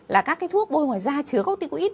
là các cái thuốc bôi ngoài da chứa corticoid